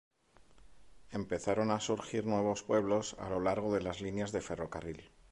Empezaron a surgir nuevos pueblos a lo largo de las líneas de ferrocarril.